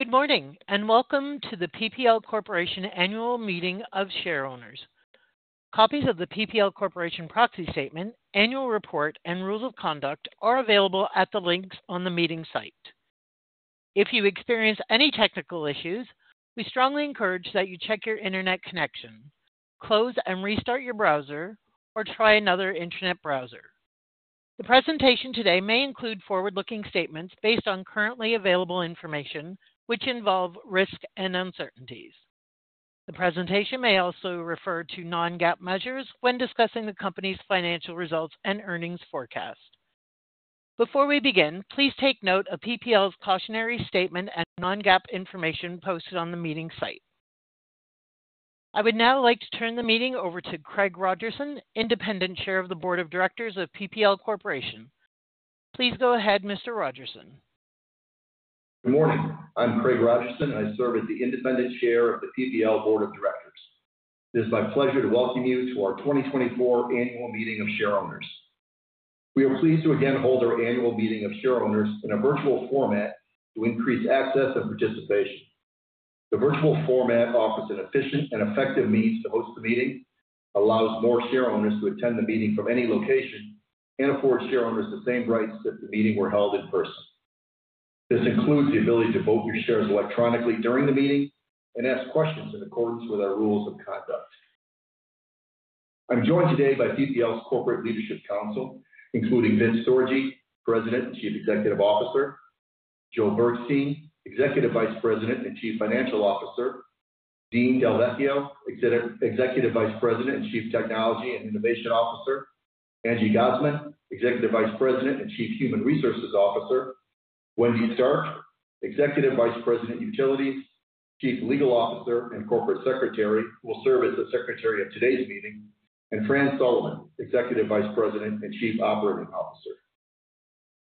Good morning and welcome to the PPL Corporation Annual Meeting of Shareholders. Copies of the PPL Corporation Proxy Statement, Annual Report, and Rules of Conduct are available at the links on the meeting site. If you experience any technical issues, we strongly encourage that you check your internet connection, close and restart your browser, or try another internet browser. The presentation today may include forward-looking statements based on currently available information, which involve risk and uncertainties. The presentation may also refer to non-GAAP measures when discussing the company's financial results and earnings forecast. Before we begin, please take note of PPL's cautionary statement and non-GAAP information posted on the meeting site. I would now like to turn the meeting over to Craig Rogerson, Independent Chair of the Board of Directors of PPL Corporation. Please go ahead, Mr. Rogerson. Good morning. I'm Craig Rogerson, and I serve as the Independent Chair of the PPL Board of Directors. It is my pleasure to welcome you to our 2024 Annual Meeting of Shareholders. We are pleased to again hold our Annual Meeting of Shareholders in a virtual format to increase access and participation. The virtual format offers an efficient and effective means to host the meeting, allows more shareholders to attend the meeting from any location, and afford shareholders the same rights if the meeting were held in person. This includes the ability to vote your shares electronically during the meeting and ask questions in accordance with our rules of conduct. I'm joined today by PPL's Corporate Leadership Council, including Vince Sorgi, President and Chief Executive Officer, Joe Bergstein, Executive Vice President and Chief Financial Officer, Dean Del Vecchio, Executive Vice President and Chief Technology and Innovation Officer, Angie Gosman, Executive Vice President and Chief Human Resources Officer, Wendy Stark, Executive Vice President Utilities, Chief Legal Officer and Corporate Secretary, who will serve as the Secretary of today's meeting, and Fran Sullivan, Executive Vice President and Chief Operating Officer.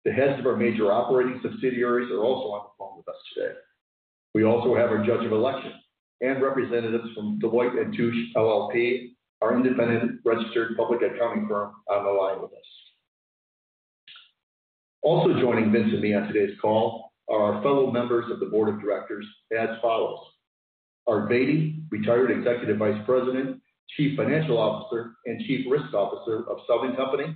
The heads of our major operating subsidiaries are also on the phone with us today. We also have our Judge of Election and representatives from Deloitte & Touche LLP, our independent registered public accounting firm, on the line with us. Also joining Vince and me on today's call are our fellow members of the Board of Directors as follows: Arthur Beattie, retired Executive Vice President, Chief Financial Officer and Chief Risk Officer of Southern Company;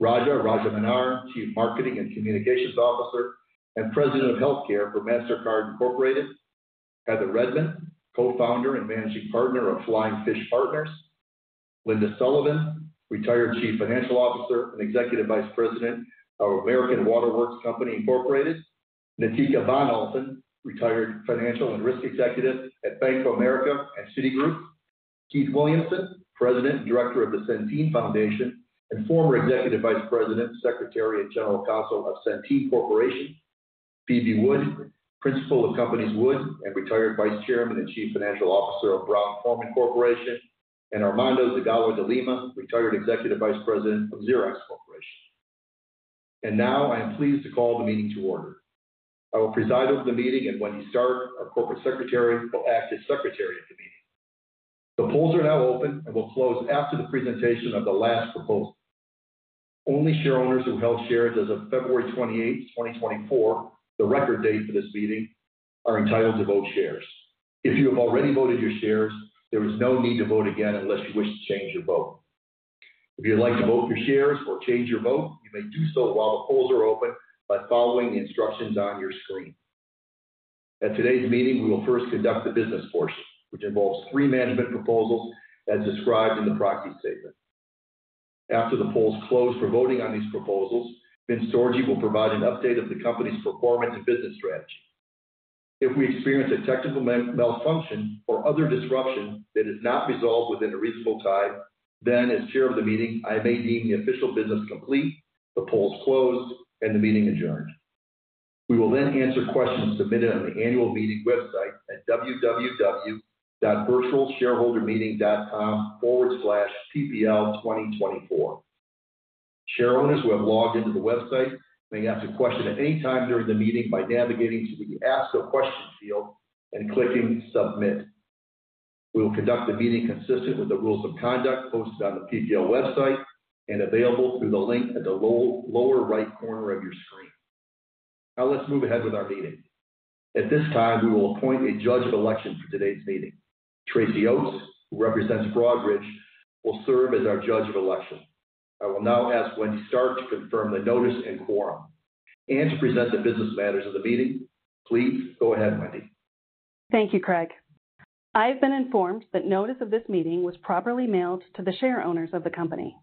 Raja Rajamannar, Chief Marketing and Communications Officer and President of Healthcare for Mastercard Incorporated; Heather Redman, co-founder and managing partner of Flying Fish Partners; Linda Sullivan, retired Chief Financial Officer and Executive Vice President of American Water Works Company Incorporated; Natica von Althann, retired financial and risk executive at Bank of America and Citigroup; Keith Williamson, President and Director of the Centene Foundation and former Executive Vice President, Secretary and General Counsel of Centene Corporation; Phoebe Wood, Principal of CompaniesWood and retired Vice Chairman and Chief Financial Officer of Brown-Forman Corporation; and Armando Zagalo de Lima, retired Executive Vice President of Xerox Corporation. And now I am pleased to call the meeting to order. I will preside over the meeting, and Wendy Stark, our Corporate Secretary, will act as Secretary of the meeting. The polls are now open and will close after the presentation of the last proposal. Only shareholders who held shares as of February 28, 2024, the record date for this meeting, are entitled to vote shares. If you have already voted your shares, there is no need to vote again unless you wish to change your vote. If you would like to vote your shares or change your vote, you may do so while the polls are open by following the instructions on your screen. At today's meeting, we will first conduct the business portion, which involves three management proposals as described in the proxy statement. After the polls close for voting on these proposals, Vince Sorgi will provide an update of the company's performance and business strategy. If we experience a technical malfunction or other disruption that is not resolved within a reasonable time, then as Chair of the meeting, I may deem the official business complete, the polls closed, and the meeting adjourned. We will then answer questions submitted on the annual meeting website at www.virtualshareholdermeeting.com/ppl2024. Shareholders who have logged into the website may ask a question at any time during the meeting by navigating to the Ask a Question field and clicking Submit. We will conduct the meeting consistent with the rules of conduct posted on the PPL website and available through the link at the lower right corner of your screen. Now let's move ahead with our meeting. At this time, we will appoint a Judge of Election for today's meeting. Tracy Oats, who represents Broadridge, will serve as our Judge of Election. I will now ask Wendy Stark to confirm the notice and quorum. To present the business matters of the meeting, please go ahead, Wendy. Thank you, Craig. I have been informed that notice of this meeting was properly mailed to the shareholders of the company.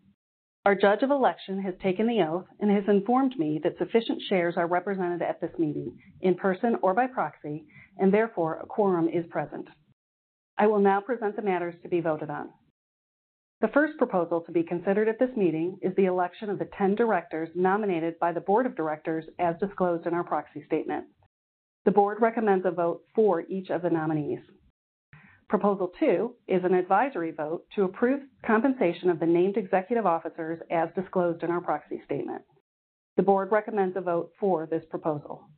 Our Judge of Election has taken the oath and has informed me that sufficient shares are represented at this meeting, in person or by proxy, and therefore a quorum is present. I will now present the matters to be voted on. The first proposal to be considered at this meeting is the election of the 10 directors nominated by the Board of Directors as disclosed in our Proxy Statement. The Board recommends a vote for each of the nominees. Proposal 2 is an advisory vote to approve compensation of the named executive officers as disclosed in our Proxy Statement. The Board recommends a vote for this proposal.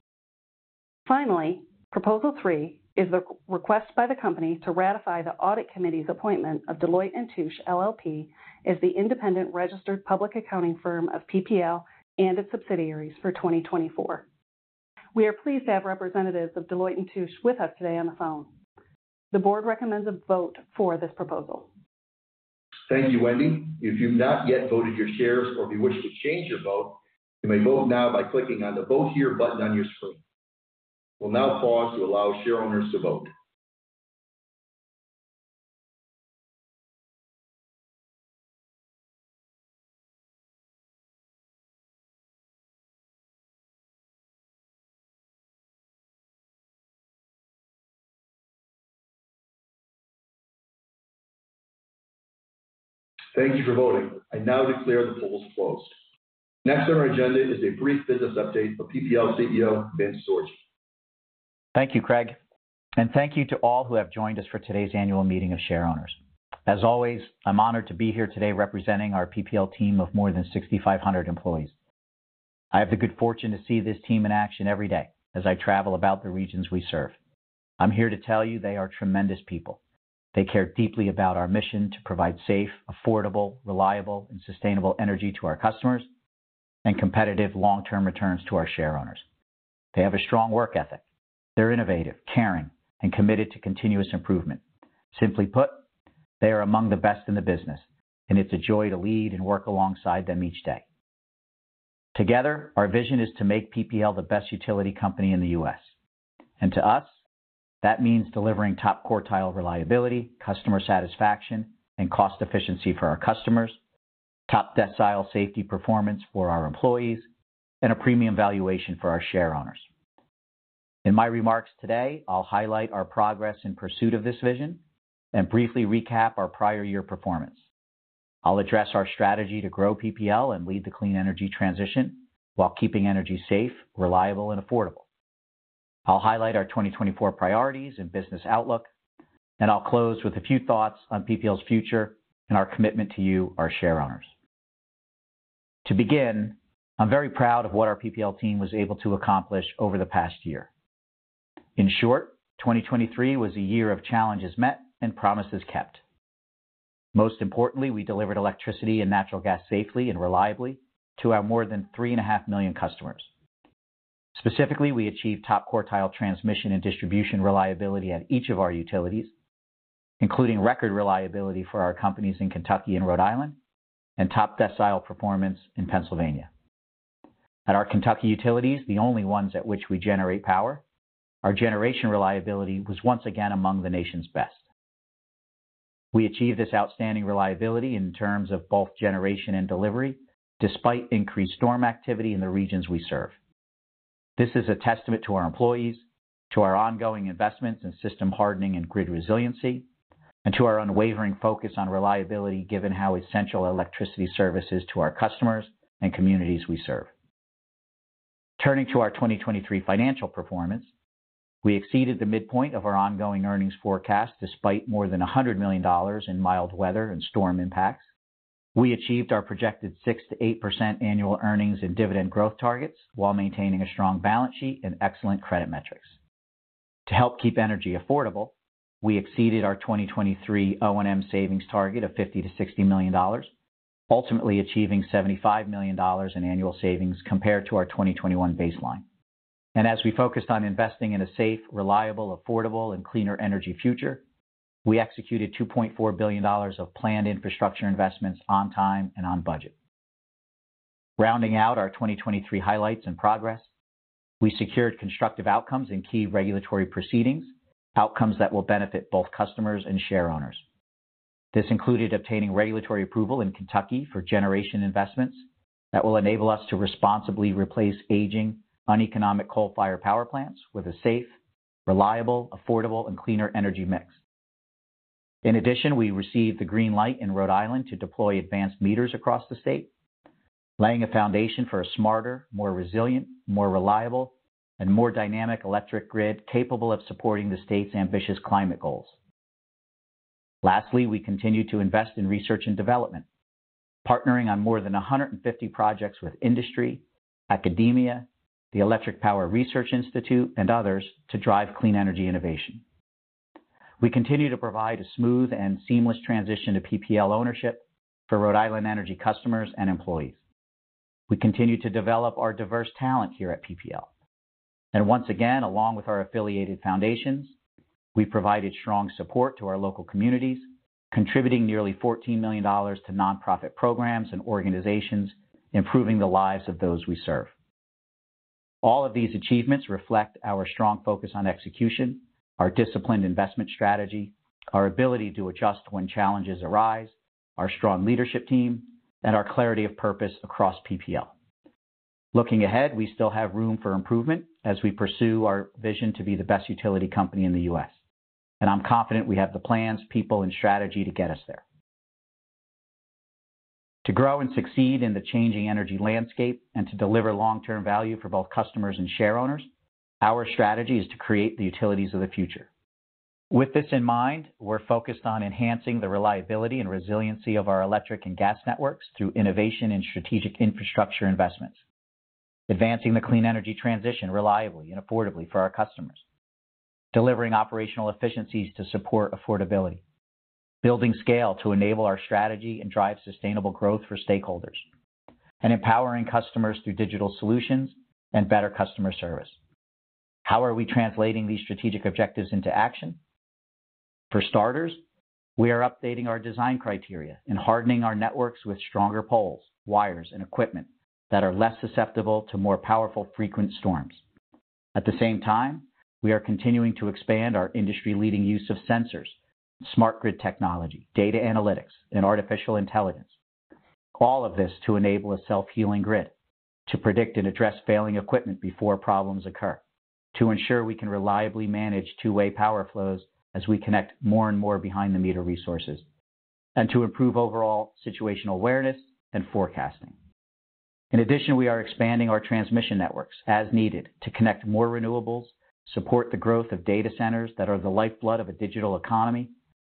Finally, Proposal 3 is the request by the company to ratify the audit committee's appointment of Deloitte & Touche LLP as the independent registered public accounting firm of PPL and its subsidiaries for 2024. We are pleased to have representatives of Deloitte & Touche with us today on the phone. The Board recommends a vote for this proposal. Thank you, Wendy. If you have not yet voted your shares or if you wish to change your vote, you may vote now by clicking on the Vote Here button on your screen. We'll now pause to allow shareholders to vote. Thank you for voting. I now declare the polls closed. Next on our agenda is a brief business update of PPL CEO Vince Sorgi. Thank you, Craig. Thank you to all who have joined us for today's annual meeting of shareholders. As always, I'm honored to be here today representing our PPL team of more than 6,500 employees. I have the good fortune to see this team in action every day as I travel about the regions we serve. I'm here to tell you they are tremendous people. They care deeply about our mission to provide safe, affordable, reliable, and sustainable energy to our customers and competitive long-term returns to our shareholders. They have a strong work ethic. They're innovative, caring, and committed to continuous improvement. Simply put, they are among the best in the business, and it's a joy to lead and work alongside them each day. Together, our vision is to make PPL the best utility company in the U.S. To us, that means delivering top quartile reliability, customer satisfaction, and cost efficiency for our customers, top decile safety performance for our employees, and a premium valuation for our shareholders. In my remarks today, I'll highlight our progress in pursuit of this vision and briefly recap our prior year performance. I'll address our strategy to grow PPL and lead the clean energy transition while keeping energy safe, reliable, and affordable. I'll highlight our 2024 priorities and business outlook, and I'll close with a few thoughts on PPL's future and our commitment to you, our shareholders. To begin, I'm very proud of what our PPL team was able to accomplish over the past year. In short, 2023 was a year of challenges met and promises kept. Most importantly, we delivered electricity and natural gas safely and reliably to our more than 3.5 million customers. Specifically, we achieved top quartile transmission and distribution reliability at each of our utilities, including record reliability for our companies in Kentucky and Rhode Island, and top decile performance in Pennsylvania. At our Kentucky utilities, the only ones at which we generate power, our generation reliability was once again among the nation's best. We achieved this outstanding reliability in terms of both generation and delivery despite increased storm activity in the regions we serve. This is a testament to our employees, to our ongoing investments in system hardening and grid resiliency, and to our unwavering focus on reliability given how essential electricity service is to our customers and communities we serve. Turning to our 2023 financial performance, we exceeded the midpoint of our ongoing earnings forecast despite more than $100 million in mild weather and storm impacts. We achieved our projected 6%-8% annual earnings and dividend growth targets while maintaining a strong balance sheet and excellent credit metrics. To help keep energy affordable, we exceeded our 2023 O&M savings target of $50 million-$60 million, ultimately achieving $75 million in annual savings compared to our 2021 baseline. And as we focused on investing in a safe, reliable, affordable, and cleaner energy future, we executed $2.4 billion of planned infrastructure investments on time and on budget. Rounding out our 2023 highlights and progress, we secured constructive outcomes in key regulatory proceedings, outcomes that will benefit both customers and shareholders. This included obtaining regulatory approval in Kentucky for generation investments that will enable us to responsibly replace aging, uneconomic coal-fired power plants with a safe, reliable, affordable, and cleaner energy mix. In addition, we received the green light in Rhode Island to deploy advanced meters across the state, laying a foundation for a smarter, more resilient, more reliable, and more dynamic electric grid capable of supporting the state's ambitious climate goals. Lastly, we continue to invest in research and development, partnering on more than 150 projects with industry, academia, the Electric Power Research Institute, and others to drive clean energy innovation. We continue to provide a smooth and seamless transition to PPL ownership for Rhode Island Energy customers and employees. We continue to develop our diverse talent here at PPL. And once again, along with our affiliated foundations, we've provided strong support to our local communities, contributing nearly $14 million to nonprofit programs and organizations, improving the lives of those we serve. All of these achievements reflect our strong focus on execution, our disciplined investment strategy, our ability to adjust when challenges arise, our strong leadership team, and our clarity of purpose across PPL. Looking ahead, we still have room for improvement as we pursue our vision to be the best utility company in the U.S. I'm confident we have the plans, people, and strategy to get us there. To grow and succeed in the changing energy landscape and to deliver long-term value for both customers and shareholders, our strategy is to create the utilities of the future. With this in mind, we're focused on enhancing the reliability and resiliency of our electric and gas networks through innovation and strategic infrastructure investments, advancing the clean energy transition reliably and affordably for our customers, delivering operational efficiencies to support affordability, building scale to enable our strategy and drive sustainable growth for stakeholders, and empowering customers through digital solutions and better customer service. How are we translating these strategic objectives into action? For starters, we are updating our design criteria and hardening our networks with stronger poles, wires, and equipment that are less susceptible to more powerful, frequent storms. At the same time, we are continuing to expand our industry-leading use of sensors, smart grid technology, data analytics, and artificial intelligence. All of this to enable a self-healing grid, to predict and address failing equipment before problems occur, to ensure we can reliably manage two-way power flows as we connect more and more behind-the-meter resources, and to improve overall situational awareness and forecasting. In addition, we are expanding our transmission networks as needed to connect more renewables, support the growth of data centers that are the lifeblood of a digital economy,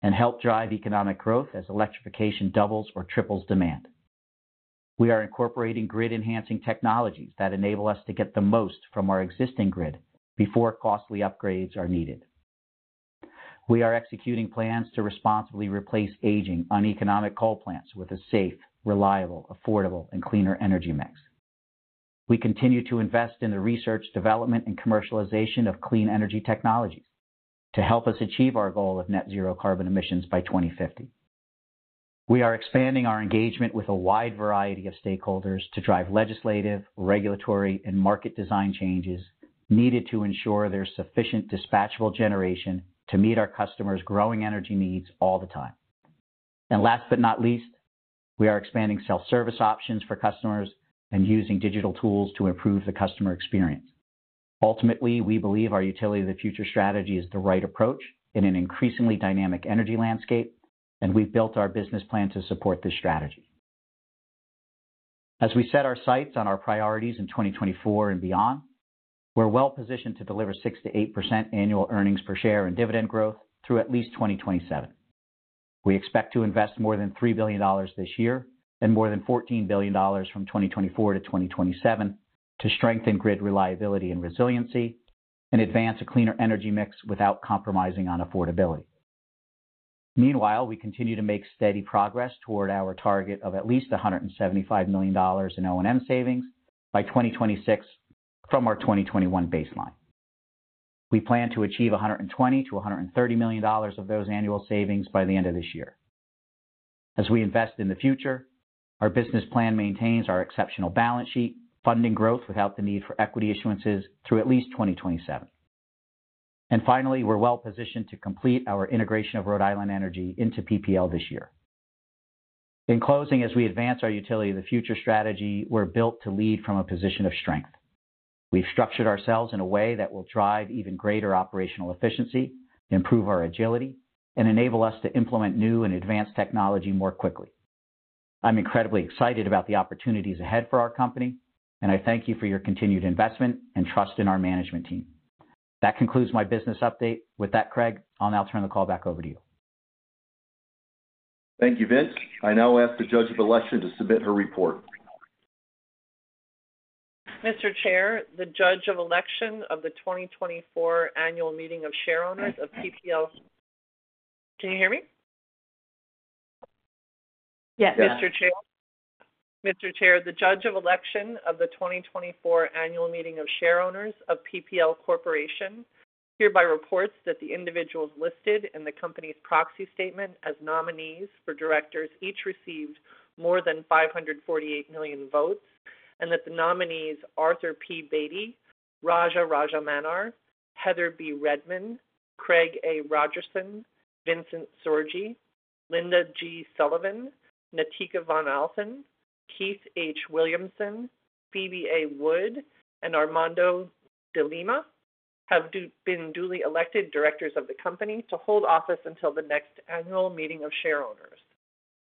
and help drive economic growth as electrification doubles or triples demand. We are incorporating grid-enhancing technologies that enable us to get the most from our existing grid before costly upgrades are needed. We are executing plans to responsibly replace aging, uneconomic coal plants with a safe, reliable, affordable, and cleaner energy mix. We continue to invest in the research, development, and commercialization of clean energy technologies to help us achieve our goal of net-zero carbon emissions by 2050. We are expanding our engagement with a wide variety of stakeholders to drive legislative, regulatory, and market design changes needed to ensure there's sufficient dispatchable generation to meet our customers' growing energy needs all the time. And last but not least, we are expanding self-service options for customers and using digital tools to improve the customer experience. Ultimately, we believe our utility of the future strategy is the right approach in an increasingly dynamic energy landscape, and we've built our business plan to support this strategy. As we set our sights on our priorities in 2024 and beyond, we're well positioned to deliver 6%-8% annual earnings per share and dividend growth through at least 2027. We expect to invest more than $3 billion this year and more than $14 billion from 2024 to 2027 to strengthen grid reliability and resiliency and advance a cleaner energy mix without compromising on affordability. Meanwhile, we continue to make steady progress toward our target of at least $175 million in O&M savings by 2026 from our 2021 baseline. We plan to achieve $120 million-$130 million of those annual savings by the end of this year. As we invest in the future, our business plan maintains our exceptional balance sheet, funding growth without the need for equity issuances through at least 2027. And finally, we're well positioned to complete our integration of Rhode Island Energy into PPL this year. In closing, as we advance our utility of the future strategy, we're built to lead from a position of strength. We've structured ourselves in a way that will drive even greater operational efficiency, improve our agility, and enable us to implement new and advanced technology more quickly. I'm incredibly excited about the opportunities ahead for our company, and I thank you for your continued investment and trust in our management team. That concludes my business update. With that, Craig, I'll now turn the call back over to you. Thank you, Vince. I now ask the judge of election to submit her report. Mr. Chair, the judge of election of the 2024 annual meeting of shareholders of PPL. Can you hear me? Yes. Mr. Chair? Mr. Chair, the judge of election of the 2024 annual meeting of shareholders of PPL Corporation hereby reports that the individuals listed in the company's proxy statement as nominees for directors each received more than 548 million votes, and that the nominees Arthur P. Beattie, Raja Rajamannar, Heather B. Redman, Craig A. Rogerson, Vincent Sorgi, Linda G. Sullivan, Natica von Althann, Keith H. Williamson, Phoebe A. Wood, and Armando de Lima have been duly elected directors of the company to hold office until the next annual meeting of shareholders.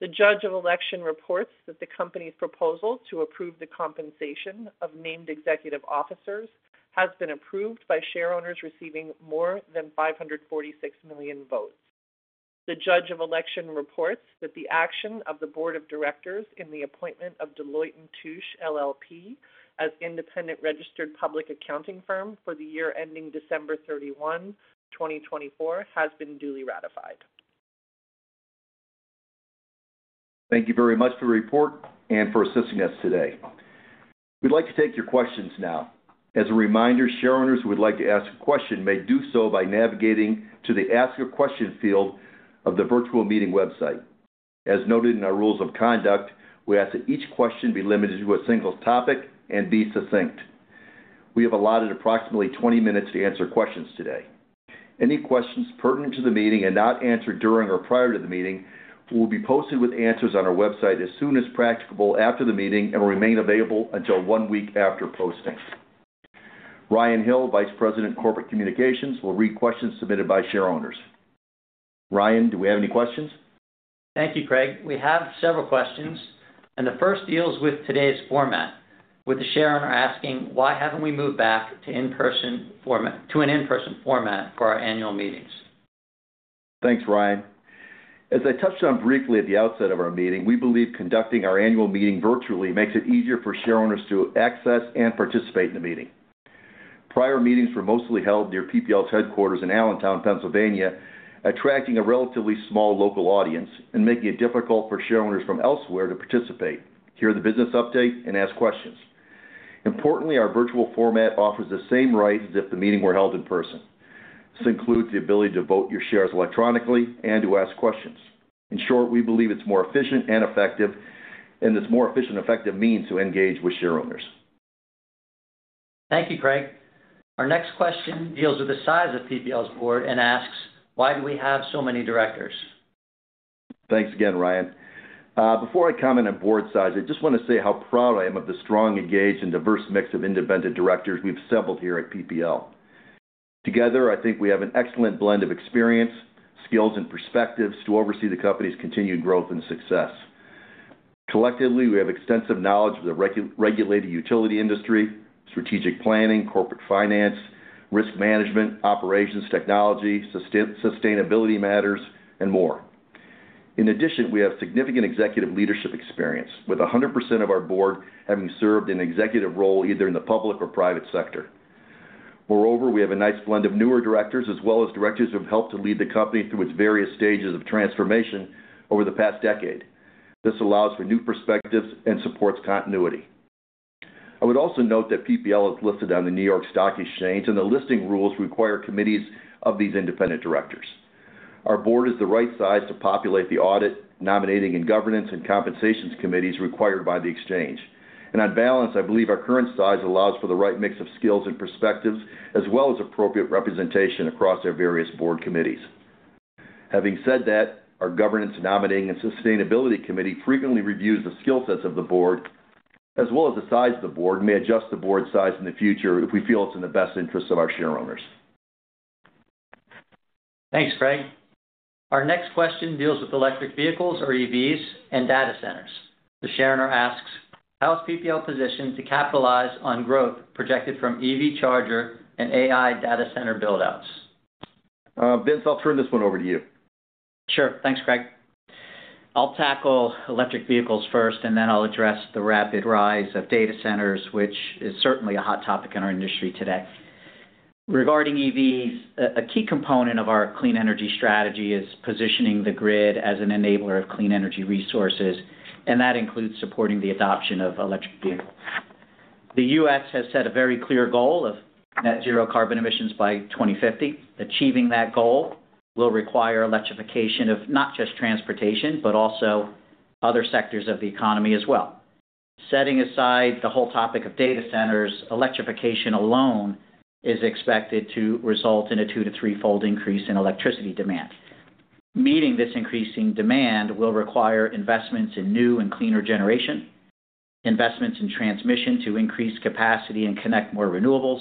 The judge of election reports that the company's proposal to approve the compensation of named executive officers has been approved by shareholders receiving more than 546 million votes. The judge of election reports that the action of the board of directors in the appointment of Deloitte & Touche LLP, as independent registered public accounting firm for the year ending December 31, 2024, has been duly ratified. Thank you very much for the report and for assisting us today. We'd like to take your questions now. As a reminder, shareholders who would like to ask a question may do so by navigating to the Ask Your Question field of the virtual meeting website. As noted in our rules of conduct, we ask that each question be limited to a single topic and be succinct. We have allotted approximately 20 minutes to answer questions today. Any questions pertinent to the meeting and not answered during or prior to the meeting will be posted with answers on our website as soon as practicable after the meeting and will remain available until one week after posting. Ryan Hill, Vice President of Corporate Communications, will read questions submitted by shareholders. Ryan, do we have any questions? Thank you, Craig. We have several questions. The first deals with today's format, with the shareholder asking, "Why haven't we moved back to in-person format to an in-person format for our annual meetings? Thanks, Ryan. As I touched on briefly at the outset of our meeting, we believe conducting our annual meeting virtually makes it easier for shareholders to access and participate in the meeting. Prior meetings were mostly held near PPL's headquarters in Allentown, Pennsylvania, attracting a relatively small local audience and making it difficult for shareholders from elsewhere to participate, hear the business update and ask questions. Importantly, our virtual format offers the same rights as if the meeting were held in person. This includes the ability to vote your shares electronically and to ask questions. In short, we believe it's more efficient and effective, and this more efficient, effective means to engage with shareholders. Thank you, Craig. Our next question deals with the size of PPL's board and asks, "Why do we have so many directors? Thanks again, Ryan. Before I comment on board size, I just want to say how proud I am of the strong, engaged, and diverse mix of independent directors we've assembled here at PPL. Together, I think we have an excellent blend of experience, skills, and perspectives to oversee the company's continued growth and success. Collectively, we have extensive knowledge of the regulated utility industry, strategic planning, corporate finance, risk management, operations, technology, sustainability matters, and more. In addition, we have significant executive leadership experience, with 100% of our board having served in an executive role either in the public or private sector. Moreover, we have a nice blend of newer directors as well as directors who have helped to lead the company through its various stages of transformation over the past decade. This allows for new perspectives and supports continuity. I would also note that PPL is listed on the New York Stock Exchange, and the listing rules require committees of these independent directors. Our board is the right size to populate the audit, nominating, and governance and compensations committees required by the exchange. On balance, I believe our current size allows for the right mix of skills and perspectives as well as appropriate representation across our various board committees. Having said that, our governance, nominating, and sustainability committee frequently reviews the skill sets of the board, as well as the size of the board and may adjust the board size in the future if we feel it's in the best interests of our shareholders. Thanks, Craig. Our next question deals with electric vehicles or EVs and data centers. The shareholder asks, "How is PPL positioned to capitalize on growth projected from EV charger and AI data center buildouts? Vince, I'll turn this one over to you. Sure. Thanks, Craig. I'll tackle electric vehicles first, and then I'll address the rapid rise of data centers, which is certainly a hot topic in our industry today. Regarding EVs, a key component of our clean energy strategy is positioning the grid as an enabler of clean energy resources, and that includes supporting the adoption of electric vehicles. The U.S. has set a very clear goal of net-zero carbon emissions by 2050. Achieving that goal will require electrification of not just transportation but also other sectors of the economy as well. Setting aside the whole topic of data centers, electrification alone is expected to result in a two to three fold increase in electricity demand. Meeting this increasing demand will require investments in new and cleaner generation, investments in transmission to increase capacity and connect more renewables,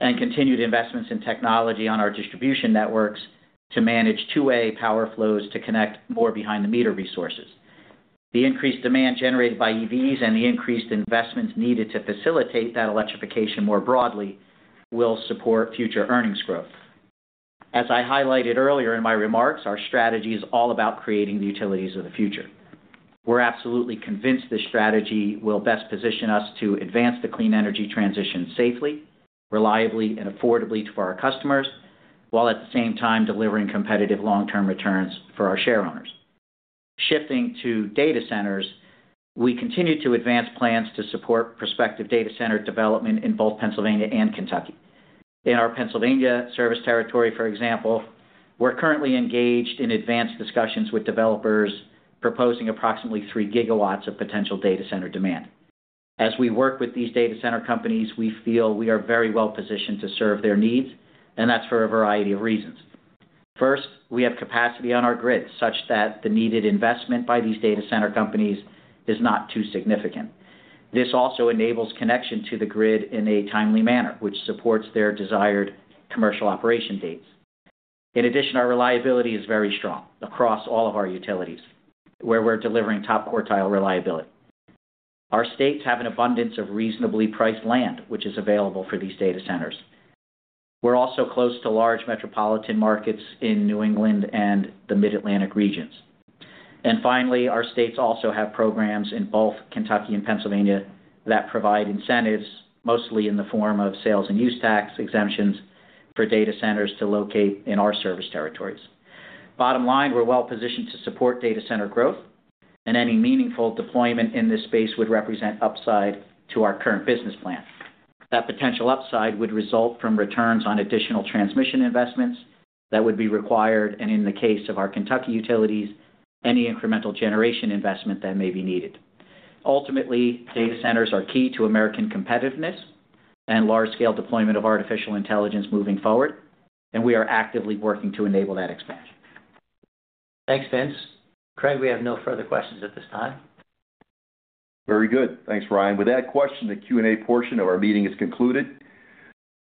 and continued investments in technology on our distribution networks to manage two-way power flows to connect more behind-the-meter resources. The increased demand generated by EVs and the increased investments needed to facilitate that electrification more broadly will support future earnings growth. As I highlighted earlier in my remarks, our strategy is all about creating the utilities of the future. We're absolutely convinced this strategy will best position us to advance the clean energy transition safely, reliably, and affordably to our customers while at the same time delivering competitive long-term returns for our shareholders. Shifting to data centers, we continue to advance plans to support prospective data center development in both Pennsylvania and Kentucky. In our Pennsylvania service territory, for example, we're currently engaged in advanced discussions with developers proposing approximately three gigawatts of potential data center demand. As we work with these data center companies, we feel we are very well positioned to serve their needs, and that's for a variety of reasons. First, we have capacity on our grid such that the needed investment by these data center companies is not too significant. This also enables connection to the grid in a timely manner, which supports their desired commercial operation dates. In addition, our reliability is very strong across all of our utilities, where we're delivering top quartile reliability. Our states have an abundance of reasonably priced land, which is available for these data centers. We're also close to large metropolitan markets in New England and the Mid-Atlantic regions. And finally, our states also have programs in both Kentucky and Pennsylvania that provide incentives, mostly in the form of sales and use tax exemptions, for data centers to locate in our service territories. Bottom line, we're well positioned to support data center growth, and any meaningful deployment in this space would represent upside to our current business plan. That potential upside would result from returns on additional transmission investments that would be required, and in the case of our Kentucky utilities, any incremental generation investment that may be needed. Ultimately, data centers are key to American competitiveness and large-scale deployment of artificial intelligence moving forward, and we are actively working to enable that expansion. Thanks, Vince. Craig, we have no further questions at this time. Very good. Thanks, Ryan. With that question, the Q&A portion of our meeting is concluded.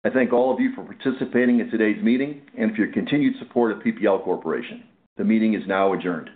I thank all of you for participating in today's meeting and for your continued support of PPL Corporation. The meeting is now adjourned.